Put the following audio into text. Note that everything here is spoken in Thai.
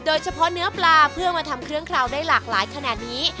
โดยเฉพาะเนื้อปลาเพื่อมาทำเครื่องเคราวได้หลากหลายขนาดนี้